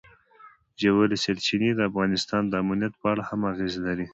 ژورې سرچینې د افغانستان د امنیت په اړه هم اغېز لري.